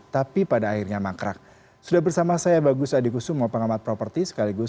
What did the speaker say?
tapi pada akhirnya mangkrak sudah bersama saya bagus adikusumo pengamat properti sekaligus